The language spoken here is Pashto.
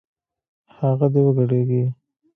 هغه دې وګډېږي